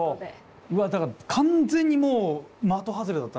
うわっだから完全にもう的外れだったな。